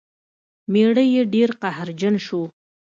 میړه یې ډیر قهرجن شو.